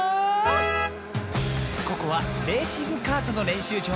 ここはレーシングカートのれんしゅうじょう。